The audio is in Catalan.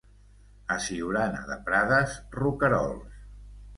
A Siurana de Prades, roquerols.